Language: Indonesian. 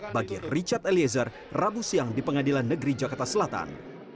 bagi richard eliezer rabu siang di pengadilan negeri jakarta selatan